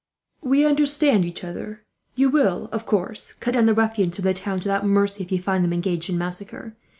We understand each other. "You will, of course, cut down the ruffians from the towns without mercy, if you find them engaged in massacre.